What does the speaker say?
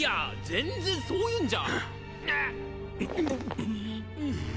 全然そういうんじゃ。っ！。